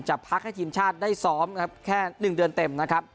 พักให้ทีมชาติได้ซ้อมครับแค่๑เดือนเต็มนะครับ